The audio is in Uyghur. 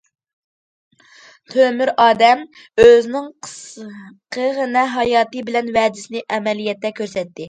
تۆمۈر ئادەم، ئۆزىنىڭ قىسقىغىنە ھاياتى بىلەن ۋەدىسىنى ئەمەلىيەتتە كۆرسەتتى.